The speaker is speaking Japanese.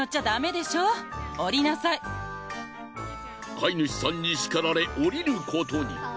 飼い主さんに叱られおりることに。